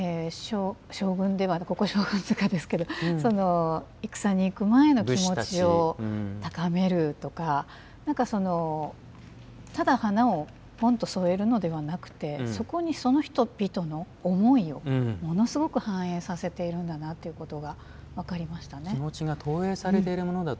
将軍では、戦に行く前の気持ちを高めるとか、ただ花をぽんと添えるのではなくてそこに、その人々の思いをものすごく反映させているんだなと分かりましたね。